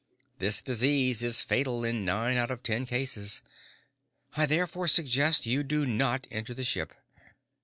This disease is fatal in nine cases out of ten. I therefore suggest you do not enter the ship.